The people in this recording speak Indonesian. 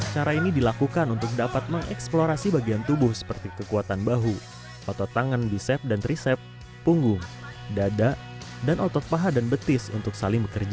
cara ini dilakukan untuk dapat mengeksplorasi bagian tubuh seperti kekuatan bahu otot tangan di sep dan trisep punggung dada dan otot paha dan betis untuk saling bekerja